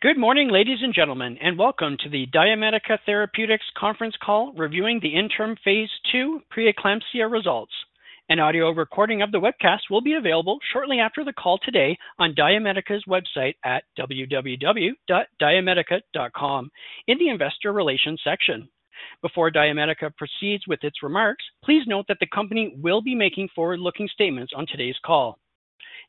Good morning, ladies and gentlemen, and welcome to the DiaMedica Therapeutics conference call reviewing the interim phase II preeclampsia results. An audio recording of the webcast will be available shortly after the call today on DiaMedica's website at www.diamedica.com in the investor relations section. Before DiaMedica proceeds with its remarks, please note that the company will be making forward-looking statements on today's call.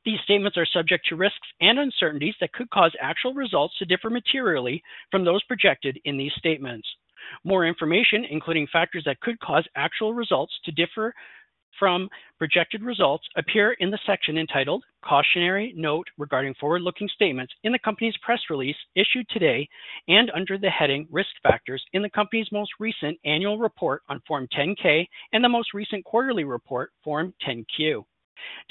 These statements are subject to risks and uncertainties that could cause actual results to differ materially from those projected in these statements. More information, including factors that could cause actual results to differ from projected results, appears in the section entitled "Cautionary Note Regarding Forward-Looking Statements" in the company's press release issued today and under the heading "Risk Factors" in the company's most recent annual report on Form 10-K and the most recent quarterly report, Form 10-Q.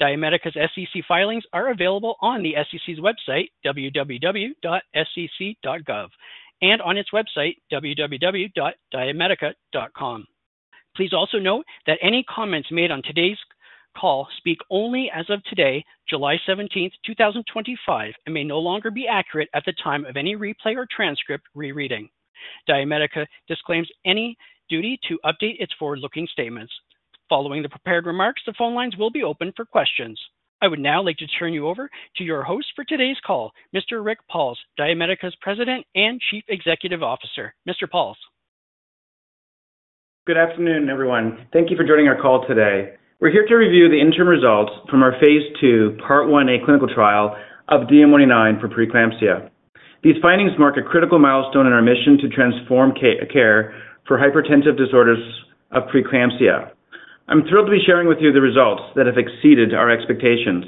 DiaMedica's SEC filings are available on the SEC's website, www.sec.gov, and on its website, www.diamedica.com. Please also note that any comments made on today's call speak only as of today, July 17, 2025, and may no longer be accurate at the time of any replay or transcript rereading. DiaMedica disclaims any duty to update its forward-looking statements. Following the prepared remarks, the phone lines will be open for questions. I would now like to turn you over to your host for today's call, Mr. Rick Pauls, DiaMedica's President and Chief Executive Officer. Mr. Pauls. Good afternoon, everyone. Thank you for joining our call today. We're here to review the interim results from our phase II, part 1A clinical trial of DM199 for preeclampsia. These findings mark a critical milestone in our mission to transform care for hypertensive disorders of preeclampsia. I'm thrilled to be sharing with you the results that have exceeded our expectations.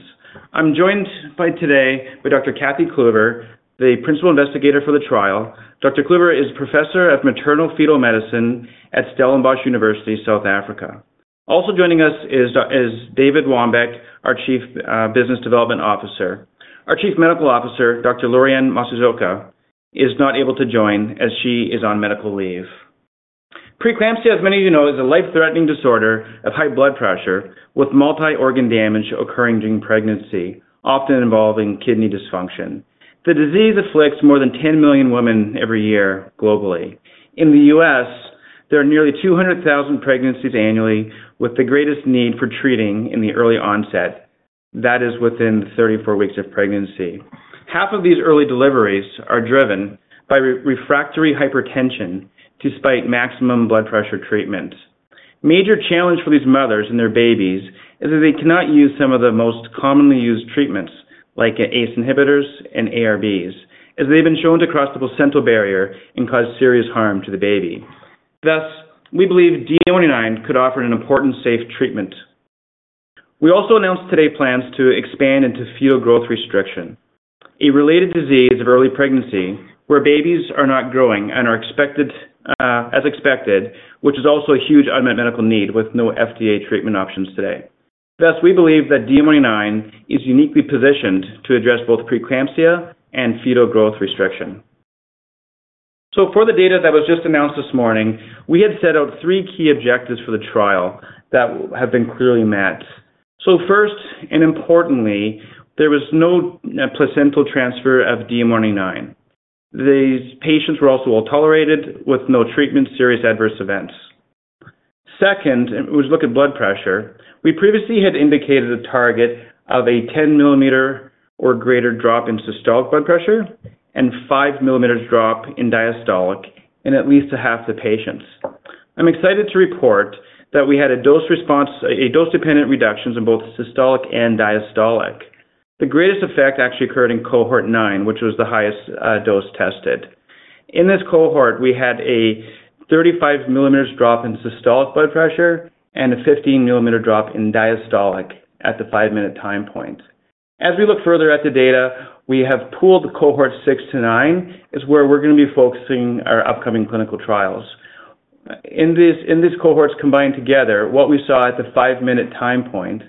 I'm joined today by Dr. Kathy Kloeber, the Principal Investigator for the trial. Dr. Kloeber is Professor of Maternal Fetal Medicine at Stellenbosch University, South Africa. Also joining us is David Wambek, our Chief Business Development Officer. Our Chief Medical Officer, Dr. Lorianne Masuoka, is not able to join as she is on medical leave. Preeclampsia, as many of you know, is a life-threatening disorder of high blood pressure with multi-organ damage occurring during pregnancy, often involving kidney dysfunction. The disease afflicts more than 10 million women every year globally. In the U.S., there are nearly 200,000 pregnancies annually, with the greatest need for treating in the early onset. That is within 34 weeks of pregnancy. Half of these early deliveries are driven by refractory hypertension, despite maximum blood pressure treatment. The major challenge for these mothers and their babies is that they cannot use some of the most commonly used treatments, like ACE inhibitors and ARBs, as they've been shown to cross the placental barrier and cause serious harm to the baby. Thus, we believe DM199 could offer an important safe treatment. We also announced today plans to expand into fetal growth restriction, a related disease of early pregnancy where babies are not growing as expected, which is also a huge unmet medical need with no FDA treatment options today. We believe that DM199 is uniquely positioned to address both preeclampsia and fetal growth restriction. For the data that was just announced this morning, we had set out three key objectives for the trial that have been clearly met. First and importantly, there was no placental transfer of DM199. These patients were also well tolerated with no treatment or serious adverse events. Second, we looked at blood pressure. We previously had indicated a target of a 10 millimeter or greater drop in systolic blood pressure and a 5 millimeter drop in diastolic in at least half the patients. I'm excited to report that we had a dose-dependent reduction in both systolic and diastolic. The greatest effect actually occurred in cohort nine, which was the highest dose tested. In this cohort, we had a 35 millimeter drop in systolic blood pressure and a 15 millimeter drop in diastolic at the five-minute time point. As we look further at the data, we have pooled cohorts six to nine, where we're going to be focusing our upcoming clinical trials. In these cohorts combined together, what we saw at the five-minute time point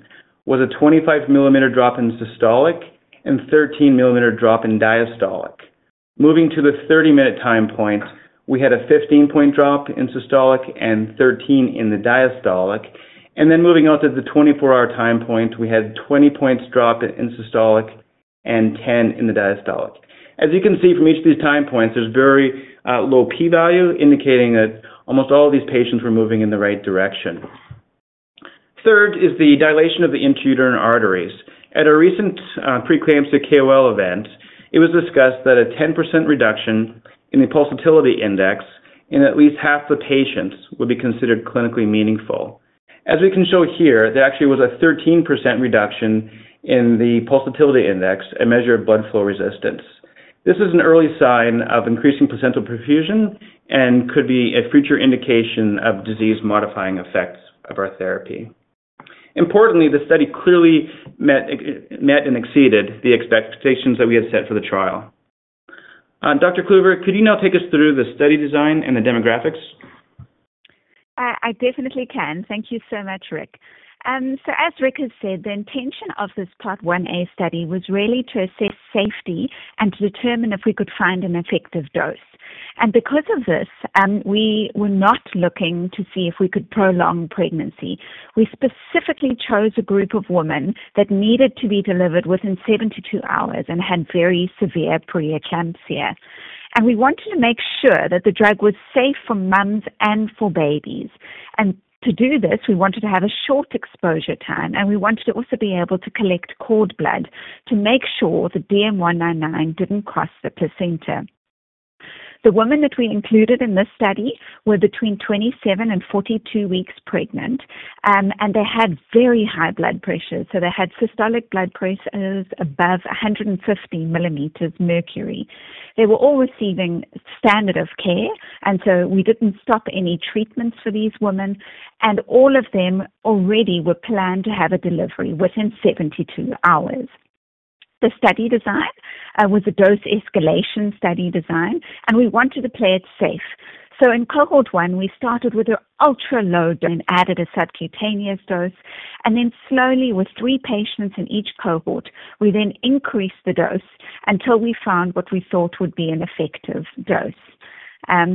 was a 25 millimeter drop in systolic and a 13 millimeter drop in diastolic. Moving to the 30-minute time point, we had a 15-point drop in systolic and 13 in the diastolic. Moving on to the 24-hour time point, we had a 20-point drop in systolic and 10 in the diastolic. As you can see from each of these time points, there's very low p-value, indicating that almost all of these patients were moving in the right direction. Third is the dilation of the intrauterine arteries. At a recent preeclampsia KOL event, it was discussed that a 10% reduction in the pulsatility index in at least half the patients would be considered clinically meaningful. As we can show here, there actually was a 13% reduction in the pulsatility index and measured blood flow resistance. This is an early sign of increasing placental perfusion and could be a future indication of disease-modifying effects of our therapy. Importantly, the study clearly met and exceeded the expectations that we had set for the trial. Dr. Kloeber, could you now take us through the study design and the demographics? I definitely can. Thank you so much, Rick. As Rick has said, the intention of this part 1A study was really to assess safety and to determine if we could find an effective dose. Because of this, we were not looking to see if we could prolong pregnancy. We specifically chose a group of women that needed to be delivered within 72 hours and had very severe preeclampsia. We wanted to make sure that the drug was safe for mums and for babies. To do this, we wanted to have a short exposure time, and we wanted to also be able to collect cord blood to make sure that DM199 didn't cross the placental barrier. The women that we included in this study were between 27 and 42 weeks pregnant, and they had very high blood pressure. They had systolic blood pressures above 150 millimeters of mercury. They were all receiving standard of care, so we didn't stop any treatments for these women. All of them already were planned to have a delivery within 72 hours. The study design was a dose escalation study design, and we wanted to play it safe. In cohort one, we started with an ultra-low dose and added a subcutaneous dose. Slowly, with three patients in each cohort, we then increased the dose until we found what we thought would be an effective dose.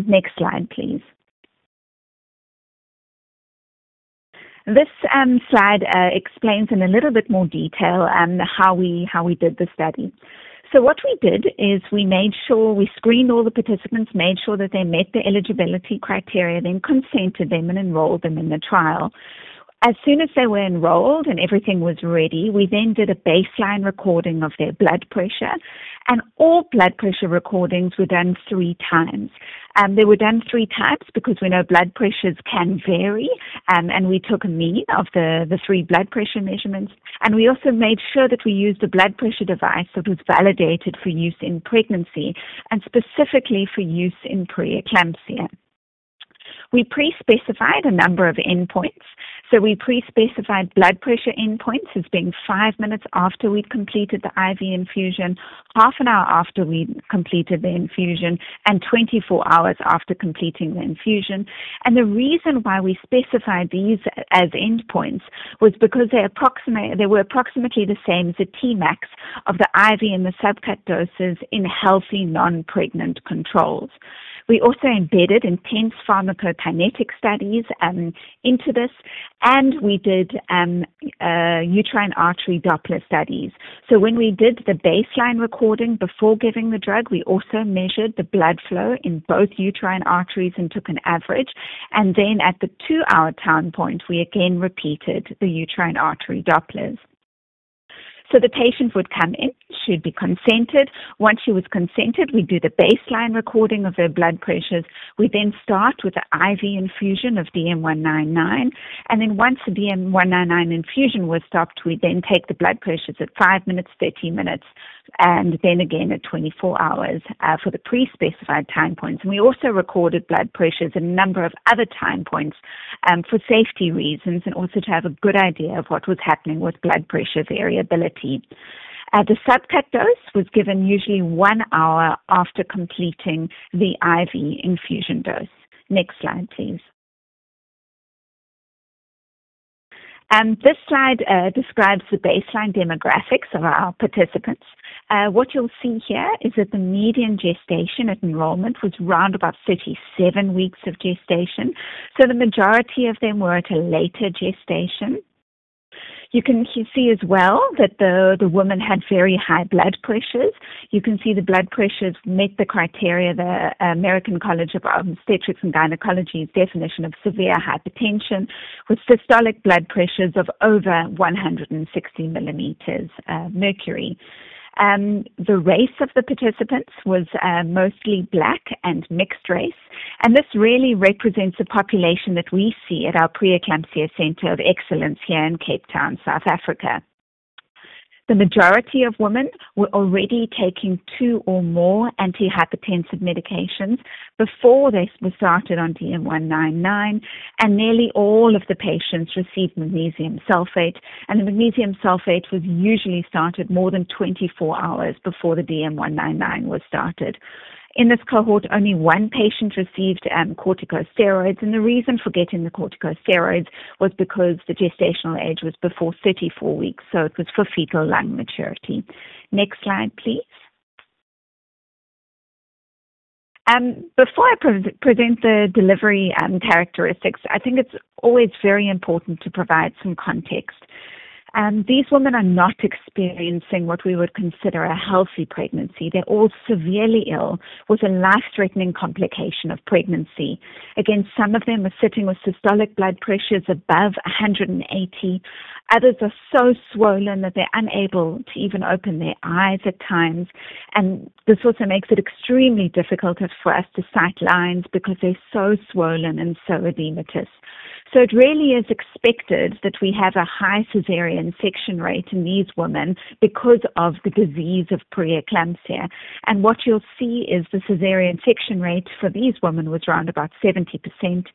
Next slide, please. This slide explains in a little bit more detail how we did the study. What we did is we made sure we screened all the participants, made sure that they met the eligibility criteria, then consented them and enrolled them in the trial. As soon as they were enrolled and everything was ready, we then did a baseline recording of their blood pressure, and all blood pressure recordings were done three times. They were done three times because we know blood pressures can vary, and we took a mean of the three blood pressure measurements. We also made sure that we used a blood pressure device that was validated for use in pregnancy and specifically for use in preeclampsia. We pre-specified a number of endpoints. We pre-specified blood pressure endpoints as being five minutes after we'd completed the IV infusion, half an hour after we'd completed the infusion, and 24 hours after completing the infusion. The reason why we specified these as endpoints was because they were approximately the same as the Tmax of the IV and the subcutaneous doses in healthy non-pregnant controls. We also embedded intense pharmacokinetic studies into this, and we did uterine artery Doppler studies. When we did the baseline recording before giving the drug, we also measured the blood flow in both uterine arteries and took an average. At the two-hour time point, we again repeated the uterine artery Dopplers. The patient would come in, she'd be consented. Once she was consented, we'd do the baseline recording of their blood pressures. We then start with the IV infusion of DM-199. Once the DM-199 infusion was stopped, we then take the blood pressures at five minutes, 30 minutes, and again at 24 hours for the pre-specified time points. We also recorded blood pressures at a number of other time points for safety reasons and also to have a good idea of what was happening with blood pressure variability. The subcutaneous dose was given usually one hour after completing the IV infusion dose. Next slide, please. This slide describes the baseline demographics of our participants. What you'll see here is that the median gestation at enrollment was around 37 weeks of gestation. The majority of them were at a later gestation. You can see as well that the women had very high blood pressures. The blood pressures met the criteria of the American College of Obstetrics and Gynecology's definition of severe hypertension, with systolic blood pressures of over 160 millimeters of mercury. The race of the participants was mostly Black and mixed race, and this really represents the population that we see at our preeclampsia center of excellence here in Cape Town, South Africa. The majority of women were already taking two or more antihypertensive medications before they were started on DM-199, and nearly all of the patients received magnesium sulfate. The magnesium sulfate was usually started more than 24 hours before the DM-199 was started. In this cohort, only one patient received corticosteroids, and the reason for getting the corticosteroids was because the gestational age was before 34 weeks, so it was for fetal lung maturity. Next slide, please. Before I present the delivery characteristics, I think it's always very important to provide some context. These women are not experiencing what we would consider a healthy pregnancy. They're all severely ill with a life-threatening complication of pregnancy. Some of them are sitting with systolic blood pressures above 180. Others are so swollen that they're unable to even open their eyes at times. This also makes it extremely difficult for us to site lines because they're so swollen and so edematous. It really is expected that we have a high cesarean section rate in these women because of the disease of preeclampsia. What you'll see is the cesarean section rate for these women was around 70%.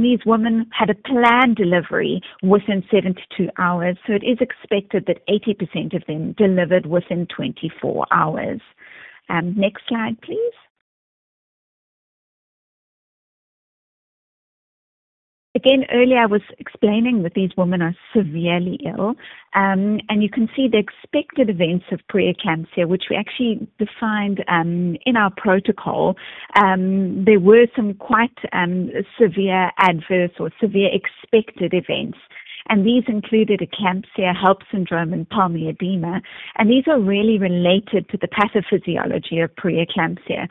These women had a planned delivery within 72 hours, so it is expected that 80% of them delivered within 24 hours. Next slide, please. Earlier I was explaining that these women are severely ill, and you can see the expected events of preeclampsia, which we actually defined in our protocol. There were some quite severe adverse or severe expected events, and these included eclampsia, HELLP syndrome, and pulmonary edema. These are really related to the pathophysiology of preeclampsia.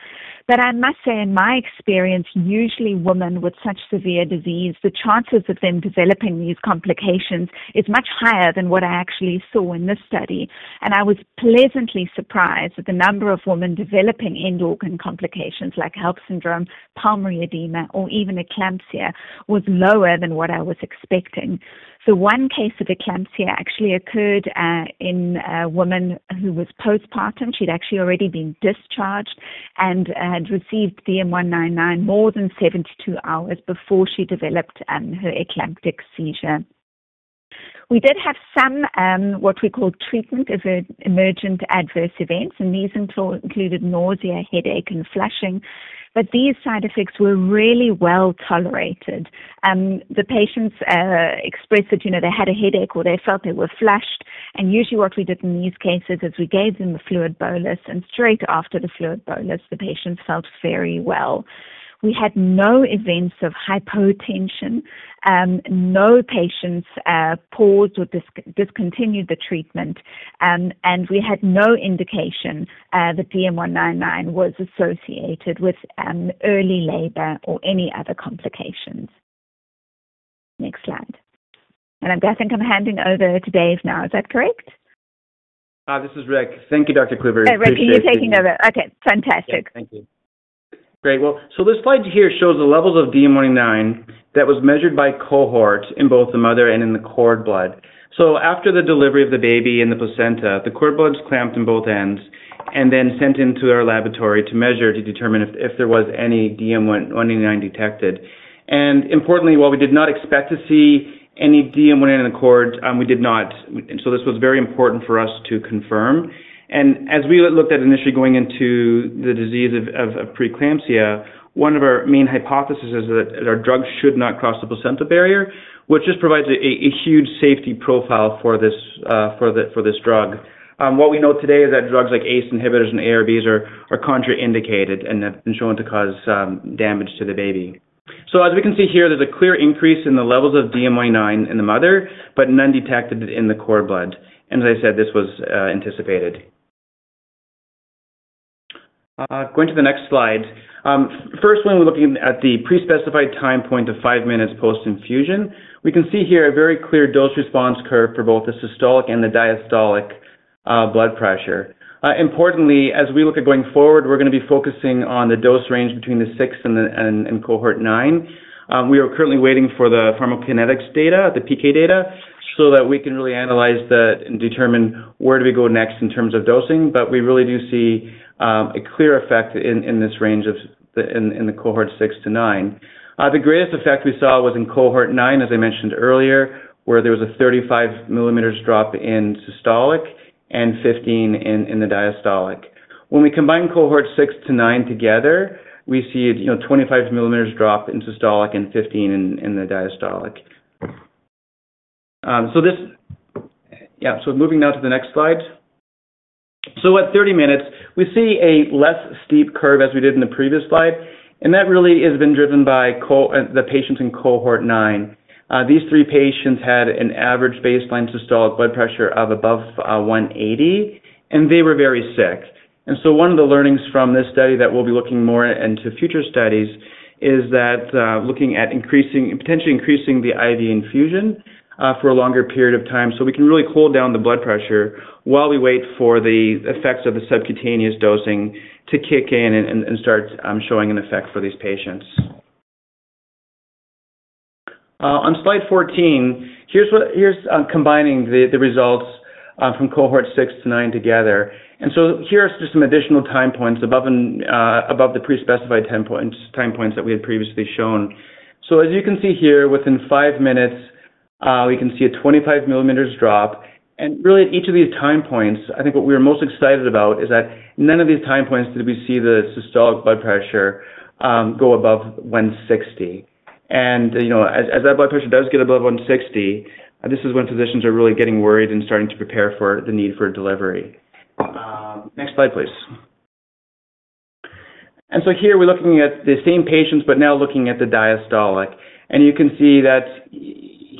I must say, in my experience, usually women with such severe disease, the chances of them developing these complications are much higher than what I actually saw in this study. I was pleasantly surprised that the number of women developing end-organ complications like HELLP syndrome, pulmonary edema, or even eclampsia was lower than what I was expecting. The one case of eclampsia actually occurred in a woman who was postpartum. She'd actually already been discharged and had received DM-199 more than 72 hours before she developed her eclamptic seizure. We did have some, what we call, treatment-emergent adverse events, and these included nausea, headache, and flushing. These side effects were really well tolerated. The patients expressed that they had a headache or they felt they were flushed. Usually what we did in these cases is we gave them a fluid bolus, and straight after the fluid bolus, the patients felt very well. We had no events of hypotension. No patients paused or discontinued the treatment. We had no indication that DM-199 was associated with early labor or any other complications. Next slide. I think I'm handing over to Dave now. Is that correct? This is Rick. Thank you, Dr. Kloeber. Rick, you're taking over. Okay, fantastic. Thank you. Great. This slide here shows the levels of DM-199 that were measured by cohort in both the mother and in the cord blood. After the delivery of the baby and the placenta, the cord blood was clamped on both ends and then sent into our laboratory to measure to determine if there was any DM-199 detected. Importantly, while we did not expect to see any DM-199 in the cord, we did not. This was very important for us to confirm. As we looked at initially going into the disease of preeclampsia, one of our main hypotheses is that our drug should not cross the placental barrier, which just provides a huge safety profile for this drug. What we know today is that drugs like ACE inhibitors and ARBs are contraindicated and have been shown to cause damage to the baby. As we can see here, there's a clear increase in the levels of DM-199 in the mother, but none detected in the cord blood. As I said, this was anticipated. Going to the next slide. First, when we're looking at the pre-specified time point of five minutes post-infusion, we can see here a very clear dose response curve for both the systolic and the diastolic blood pressure. Importantly, as we look at going forward, we're going to be focusing on the dose range between the six and cohort nine. We are currently waiting for the pharmacokinetics data, the PK data, so that we can really analyze that and determine where do we go next in terms of dosing. We really do see a clear effect in this range in the cohort six to nine. The greatest effect we saw was in cohort nine, as I mentioned earlier, where there was a 35 millimeters drop in systolic and 15 in the diastolic. When we combine cohort six to nine together, we see a 25 millimeters drop in systolic and 15 in the diastolic. Moving now to the next slide. At 30 minutes, we see a less steep curve as we did in the previous slide. That really has been driven by the patients in cohort nine. These three patients had an average baseline systolic blood pressure of above 180, and they were very sick. One of the learnings from this study that we'll be looking more into in future studies is that looking at potentially increasing the IV infusion for a longer period of time so we can really cool down the blood pressure while we wait for the effects of the subcutaneous dosing to kick in and start showing an effect for these patients. On slide 14, here's combining the results from cohort six to nine together. Here are just some additional time points above the pre-specified time points that we had previously shown. As you can see here, within five minutes, we can see a 25 millimeters drop. At each of these time points, I think what we were most excited about is that none of these time points did we see the systolic blood pressure go above 160. As that blood pressure does get above 160, this is when physicians are really getting worried and starting to prepare for the need for delivery. Next slide, please. Here we're looking at the same patients, but now looking at the diastolic. You can see that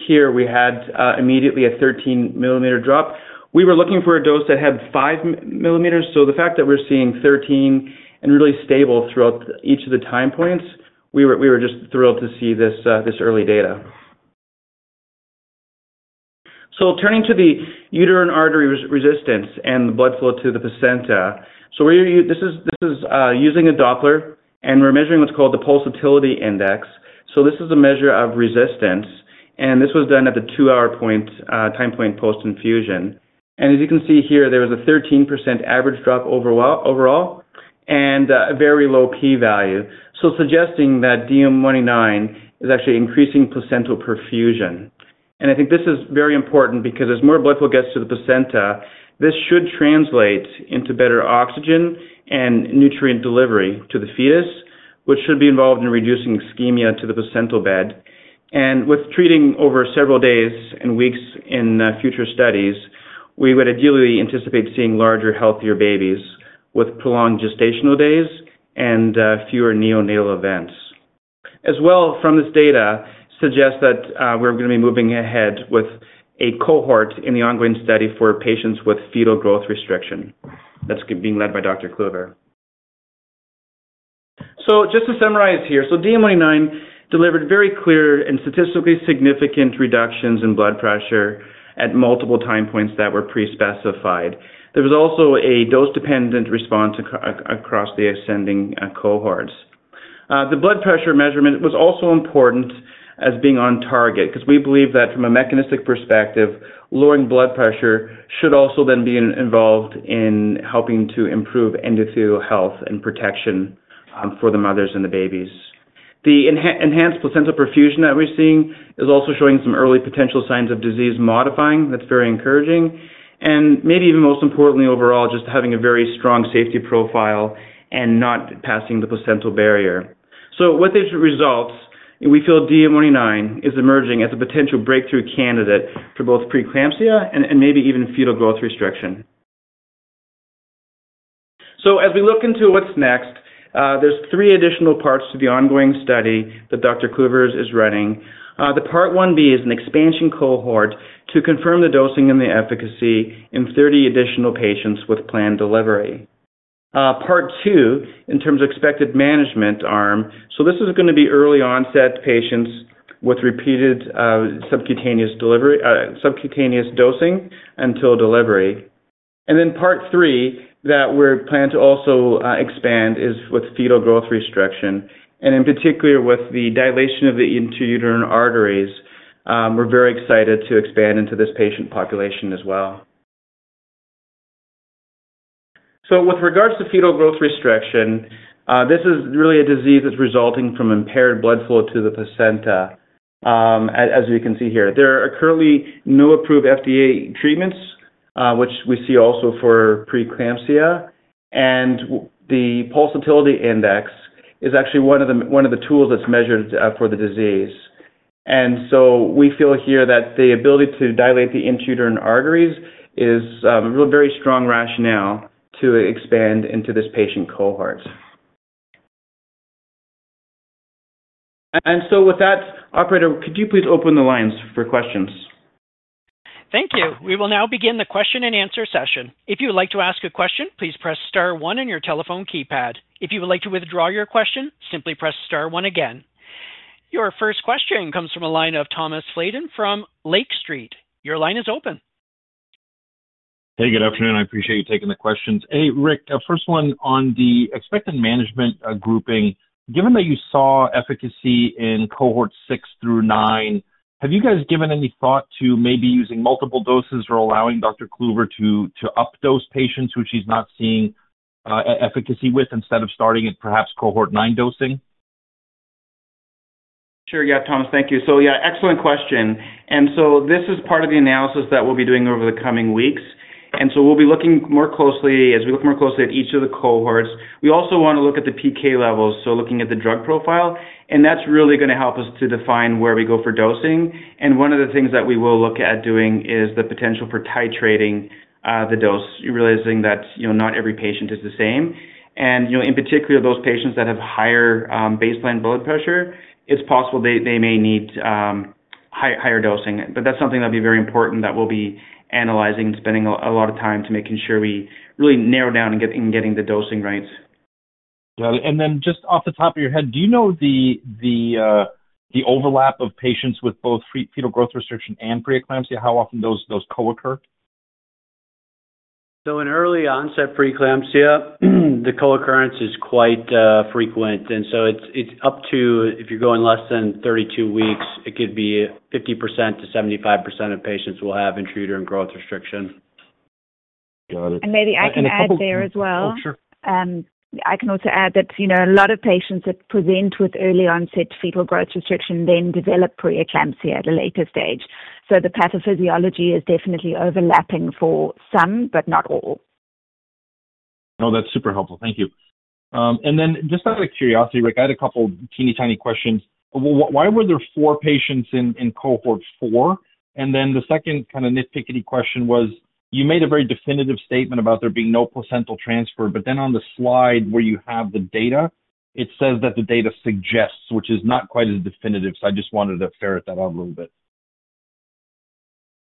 here we had immediately a 13 millimeter drop. We were looking for a dose that had five millimeters. The fact that we're seeing 13 and really stable throughout each of the time points, we were just thrilled to see this early data. Turning to the uterine artery resistance and the blood flow to the placenta, this is using a Doppler, and we're measuring what's called the pulsatility index. This is a measure of resistance. This was done at the two-hour time point post-infusion. As you can see here, there was a 13% average drop overall and a very low p-value. This suggests that DM199 is actually increasing placental perfusion. I think this is very important because as more blood flow gets to the placenta, this should translate into better oxygen and nutrient delivery to the fetus, which should be involved in reducing ischemia to the placental bed. With treating over several days and weeks in future studies, we would ideally anticipate seeing larger, healthier babies with prolonged gestational days and fewer neonatal events. As well, this data suggests that we're going to be moving ahead with a cohort in the ongoing study for patients with fetal growth restriction. That's being led by Dr. Kathy Kloeber. Just to summarize here, DM199 delivered very clear and statistically significant reductions in blood pressure at multiple time points that were pre-specified. There was also a dose-dependent response across the ascending cohorts. The blood pressure measurement was also important as being on target because we believe that from a mechanistic perspective, lowering blood pressure should also then be involved in helping to improve endothelial health and protection for the mothers and the babies. The enhanced placental perfusion that we're seeing is also showing some early potential signs of disease modifying. That's very encouraging. Maybe even most importantly, overall, just having a very strong safety profile and not passing the placental barrier. With these results, we feel DM199 is emerging as a potential breakthrough candidate for both preeclampsia and maybe even fetal growth restriction. As we look into what's next, there are three additional parts to the ongoing study that Dr. Kloeber is running. The part 1B is an expansion cohort to confirm the dosing and the efficacy in 30 additional patients with planned delivery. Part two, in terms of expected management arm, this is going to be early onset patients with repeated subcutaneous dosing until delivery. Part three that we're planning to also expand is with fetal growth restriction. In particular, with the dilation of the uterine arteries, we're very excited to expand into this patient population as well. With regards to fetal growth restriction, this is really a disease that's resulting from impaired blood flow to the placenta, as we can see here. There are currently no approved FDA treatments, which we see also for preeclampsia. The pulsatility index is actually one of the tools that's measured for the disease. We feel here that the ability to dilate the uterine arteries is a very strong rationale to expand into this patient cohort. With that, operator, could you please open the lines for questions? Thank you. We will now begin the question-and-answer session. If you would like to ask a question, please press star one on your telephone keypad. If you would like to withdraw your question, simply press star one again. Your first question comes from a line of Thomas Flaten from Lake Street Capital Markets LLC. Your line is open. Hey, good afternoon. I appreciate you taking the questions. Hey, Rick, first one on the expected management grouping. Given that you saw efficacy in cohort six through nine, have you guys given any thought to maybe using multiple doses or allowing Dr. Kloeber to updose patients who she's not seeing efficacy with instead of starting at perhaps cohort nine dosing? Sure, yeah, Thomas, thank you. Excellent question. This is part of the analysis that we'll be doing over the coming weeks. We'll be looking more closely, as we look more closely at each of the cohorts, we also want to look at the PK levels, so looking at the drug profile. That's really going to help us to define where we go for dosing. One of the things that we will look at doing is the potential for titrating the dose, realizing that not every patient is the same. In particular, those patients that have higher baseline blood pressure, it's possible they may need higher dosing. That's something that'll be very important that we'll be analyzing and spending a lot of time to make sure we really narrow down in getting the dosing right. Do you know the overlap of patients with both fetal growth restriction and preeclampsia, how often those co-occur? In early onset preeclampsia, the co-occurrence is quite frequent. If you're going less than 32 weeks, it could be 50%-75% of patients will have intrauterine growth restriction. Got it. Maybe I can add there as well. Oh, sure. I can also add that a lot of patients that present with early onset fetal growth restriction then develop preeclampsia at a later stage. The pathophysiology is definitely overlapping for some, but not all. No, that's super helpful. Thank you. Just out of curiosity, Rick, I had a couple of teeny tiny questions. Why were there four patients in cohort four? The second kind of nitpicky question was, you made a very definitive statement about there being no placental transfer, but then on the slide where you have the data, it says that the data suggests, which is not quite as definitive. I just wanted to ferret that out a little bit.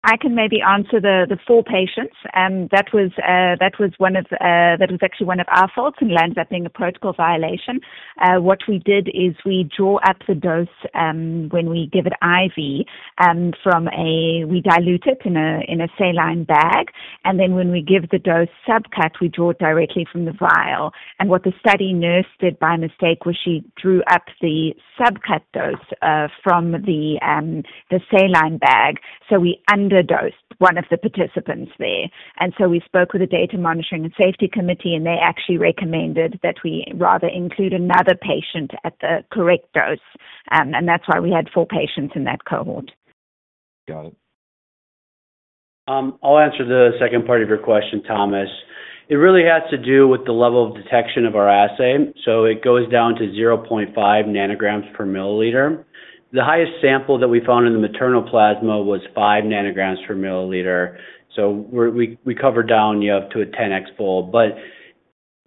I can maybe answer the four patients. That was actually one of our faults, and it ended up being a protocol violation. What we did is we draw up the dose when we give it IV. We dilute it in a saline bag. When we give the dose subcut, we draw it directly from the vial. What the study nurse did by mistake was she drew up the subcut dose from the saline bag. We under-dosed one of the participants there. We spoke with the Data Monitoring and Safety Committee, and they actually recommended that we rather include another patient at the correct dose. That's why we had four patients in that cohort. Got it. I'll answer the second part of your question, Thomas. It really had to do with the level of detection of our assay. It goes down to 0.5 nanograms per milliliter. The highest sample that we found in the maternal plasma was 5 nanograms per milliliter. We covered down to a 10x fold.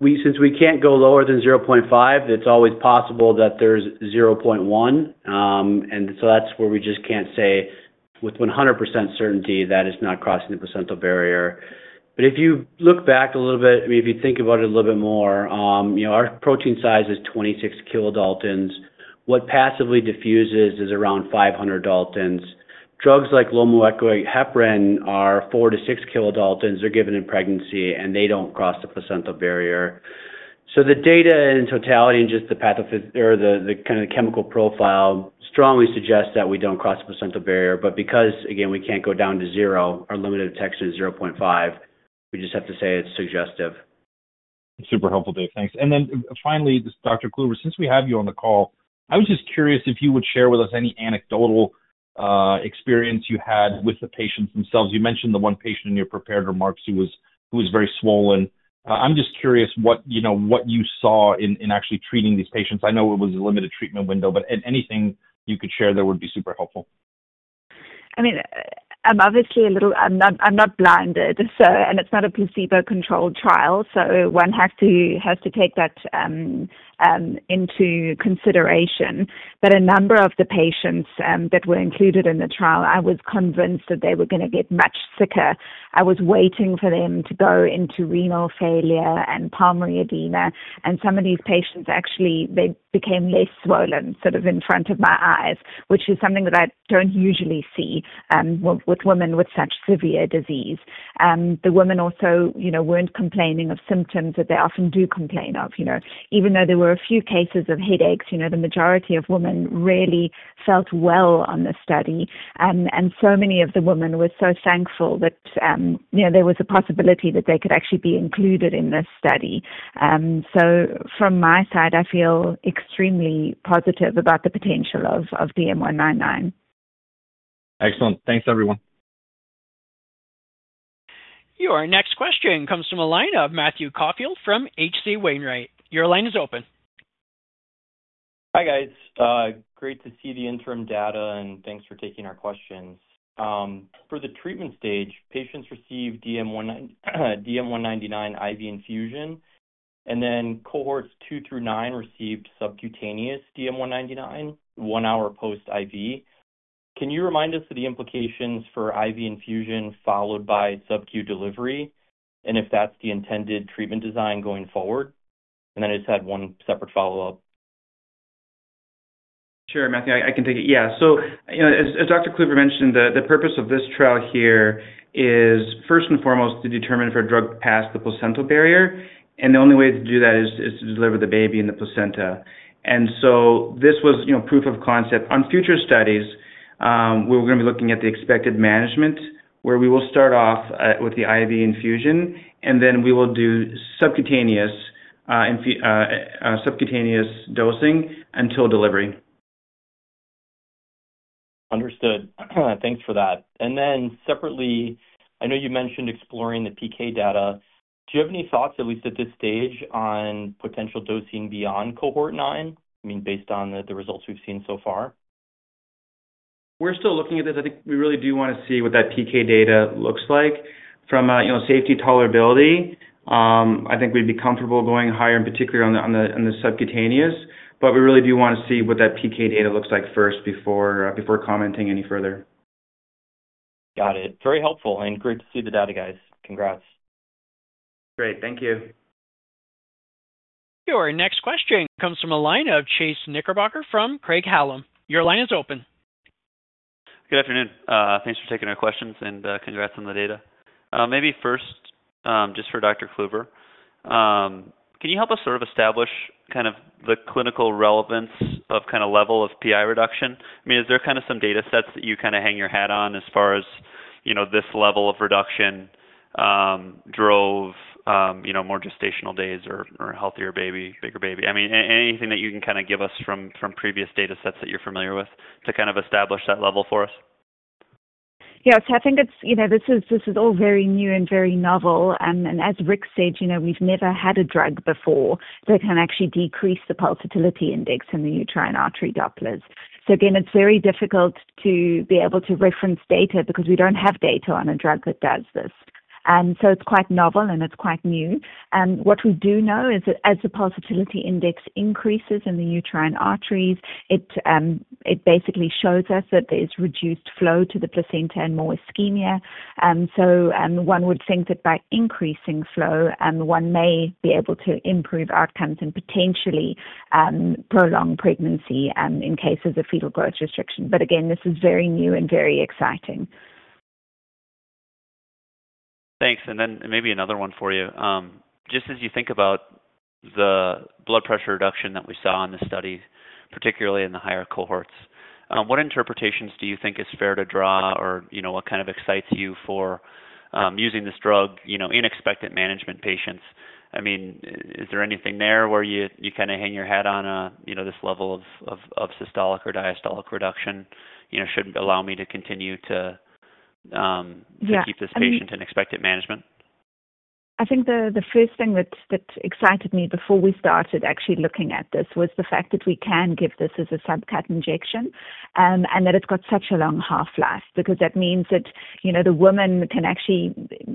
Since we can't go lower than 0.5, it's always possible that there's 0.1. That's where we just can't say with 100% certainty that it's not crossing the placental barrier. If you look back a little bit, if you think about it a little bit more, our protein size is 26 kilodaltons. What passively diffuses is around 500 daltons. Drugs like low molecular weight heparin are 4 kilodaltons-6 kilodaltons. They're given in pregnancy, and they don't cross the placental barrier. The data in totality and just the kind of the chemical profile strongly suggests that we don't cross the placental barrier. Because, again, we can't go down to zero, our limit of detection is 0.5. We just have to say it's suggestive. Super helpful, Dave. Thanks. Finally, Dr. Kloeber, since we have you on the call, I was just curious if you would share with us any anecdotal experience you had with the patients themselves. You mentioned the one patient in your prepared remarks who was very swollen. I'm just curious what you saw in actually treating these patients. I know it was a limited treatment window, but anything you could share there would be super helpful. I'm obviously a little... I'm not blinded. It's not a placebo-controlled trial, so one has to take that into consideration. A number of the patients that were included in the trial, I was convinced that they were going to get much sicker. I was waiting for them to go into renal failure and pulmonary edema. Some of these patients actually became less swollen, sort of in front of my eyes, which is something that I don't usually see with women with such severe disease. The women also weren't complaining of symptoms that they often do complain of. Even though there were a few cases of headaches, the majority of women really felt well on this study. Many of the women were so thankful that there was a possibility that they could actually be included in this study. From my side, I feel extremely positive about the potential of DM-199. Excellent. Thanks, everyone. Your next question comes from a line of Matthew Caulfield from HC Wainwright. Your line is open. Hi guys. Great to see the interim data and thanks for taking our questions. For the treatment stage, patients receive DM-199 IV infusion. Then cohorts two through nine received subcutaneous DM-199 one hour post IV. Can you remind us of the implications for IV infusion followed by subcu delivery? Is that the intended treatment design going forward? I just had one separate follow-up. Sure, Matthew. I can take it. Yeah. As Dr. Kloeber mentioned, the purpose of this trial here is first and foremost to determine if our drug passed the placental barrier. The only way to do that is to deliver the baby and the placenta. This was proof of concept. In future studies, we are going to be looking at the expected management, where we will start off with the IV infusion. We will do subcutaneous dosing until delivery. Understood. Thanks for that. I know you mentioned exploring the PK data. Do you have any thoughts, at least at this stage, on potential dosing beyond cohort nine? I mean, based on the results we've seen so far? We're still looking at it. I think we really do want to see what that PK data looks like from safety tolerability. I think we'd be comfortable going higher, in particular on the subcutaneous. We really do want to see what that PK data looks like first before commenting any further. Got it. Very helpful and great to see the data, guys. Congrats. Great. Thank you. Your next question comes from a line of Chase Richard Knickerbocker from Craig-Hallum Capital Group LLC. Your line is open. Good afternoon. Thanks for taking our questions and congrats on the data. Maybe first, just for Dr. Kloeber, can you help us sort of establish the clinical relevance of the level of PI reduction? Is there some data sets that you hang your hat on as far as this level of reduction drove more gestational days or a healthier baby, bigger baby? Anything that you can give us from previous data sets that you're familiar with to establish that level for us? I think it's, you know, this is all very new and very novel. As Rick said, we've never had a drug before that can actually decrease the pulsatility index in the uterine artery Dopplers. It's very difficult to be able to reference data because we don't have data on a drug that does this. It's quite novel and it's quite new. What we do know is that as the pulsatility index increases in the uterine arteries, it basically shows us that there's reduced flow to the placenta and more ischemia. One would think that by increasing flow, one may be able to improve outcomes and potentially prolong pregnancy in cases of fetal growth restriction. This is very new and very exciting. Thanks. As you think about the blood pressure reduction that we saw in the studies, particularly in the higher cohorts, what interpretations do you think is fair to draw or what kind of excites you for using this drug in expected management patients? I mean, is there anything there where you kind of hang your hat on this level of systolic or diastolic reduction? Should it allow me to continue to keep this patient in expected management? I think the first thing that excited me before we started actually looking at this was the fact that we can give this as a subcut injection and that it's got such a long half-life, because that means that the woman can actually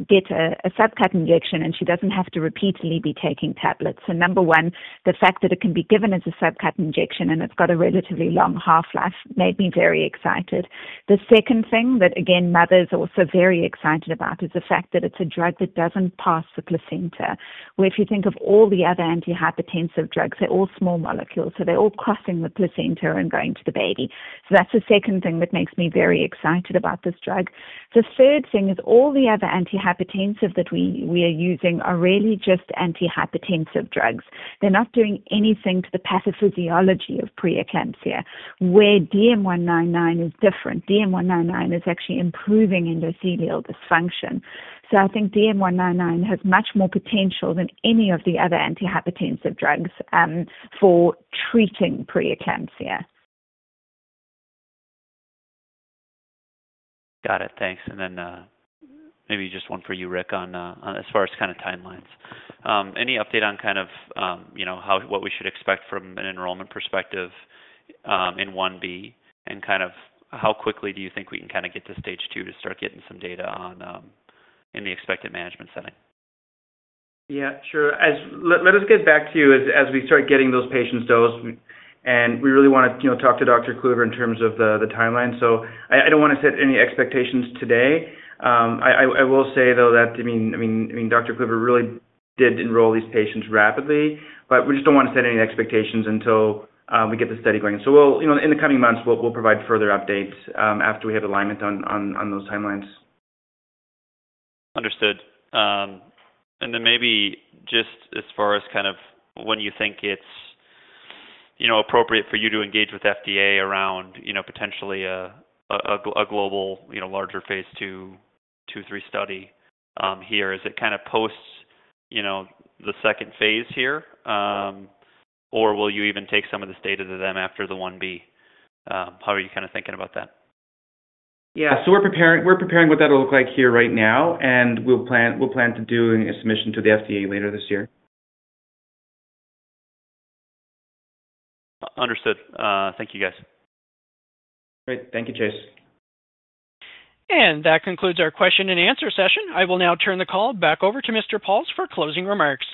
get a subcut injection and she doesn't have to repeatedly be taking tablets. Number one, the fact that it can be given as a subcut injection and it's got a relatively long half-life made me very excited. The second thing that, again, mothers are also very excited about is the fact that it's a drug that doesn't pass the placenta. If you think of all the other antihypertensive drugs, they're all small molecules, so they're all crossing the placenta and going to the baby. That's the second thing that makes me very excited about this drug. The third thing is all the other antihypertensives that we are using are really just antihypertensive drugs. They're not doing anything to the pathophysiology of preeclampsia, where DM-199 is different. DM-199 is actually improving endothelial dysfunction. I think DM-199 has much more potential than any of the other antihypertensive drugs for treating preeclampsia. Got it. Thanks. Maybe just one for you, Rick, as far as timelines. Any update on what we should expect from an enrollment perspective in 1B? How quickly do you think we can get to stage two to start getting some data in the expected management setting? Yeah, sure. Let us get back to you as we start getting those patients dosed. We really want to talk to Dr. Kathy Kloeber in terms of the timeline. I don't want to set any expectations today. I will say, though, that Dr. Kloeber really did enroll these patients rapidly, but we just don't want to set any expectations until we get the study going. In the coming months, we'll provide further updates after we have alignment on those timelines. Understood. Maybe just as far as kind of when you think it's appropriate for you to engage with the FDA around potentially a global larger phase II, phase II, phase III study here, is it kind of post the second phase here? Will you even take some of this data to them after the 1B? How are you kind of thinking about that? Yeah, we're preparing what that'll look like here right now. We'll plan to do a submission to the FDA later this year. Understood. Thank you, guys. Great. Thank you, Chase. That concludes our question-and-answer session. I will now turn the call back over to Mr. Pauls for closing remarks.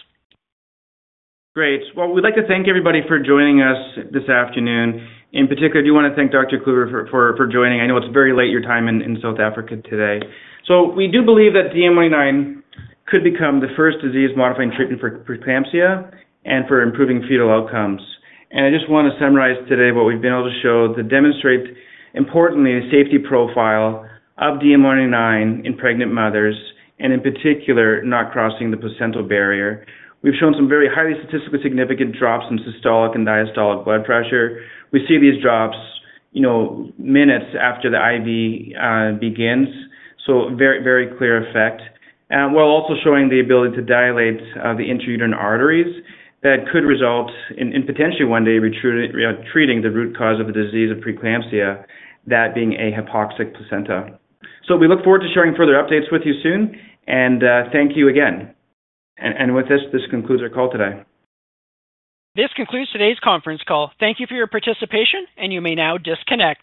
Great. We'd like to thank everybody for joining us this afternoon. In particular, I do want to thank Dr. Kloeber for joining. I know it's very late your time in South Africa today. We do believe that DM199 could become the first disease-modifying treatment for preeclampsia and for improving fetal outcomes. I just want to summarize today what we've been able to show that demonstrates importantly the safety profile of DM199 in pregnant mothers and in particular not crossing the placental barrier. We've shown some very highly statistically significant drops in systolic and diastolic blood pressure. We see these drops minutes after the IV begins, a very, very clear effect. While also showing the ability to dilate the uterine arteries, that could result in potentially one day treating the root cause of the disease of preeclampsia, that being a hypoxic placenta. We look forward to sharing further updates with you soon. Thank you again. With this, this concludes our call today. This concludes today's conference call. Thank you for your participation, and you may now disconnect.